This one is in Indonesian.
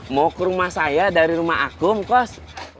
mau ke rumah saya dari rumah akun kos